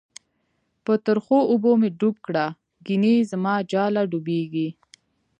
په ترخو اوبو می ډوب کړه، گڼی زماجاله ډوبیږی